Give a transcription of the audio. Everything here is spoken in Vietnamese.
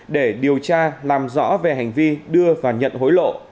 để điều tra làm rõ về hành vi đưa và nhận hối lộ